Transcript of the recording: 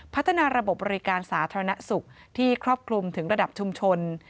พัฒนาระบบบบริการสาธารณสุขที่ครอบคลุมถึงระดับชุมชน